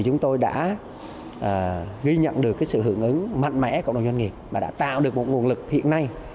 chúng tôi đã ghi nhận được sự hưởng ứng mạnh mẽ của cộng đồng doanh nghiệp và đã tạo được một nguồn lực hiện nay